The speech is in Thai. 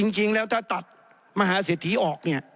จริงแล้วถ้าตัดมหาเศรษฐีออกเนี่ย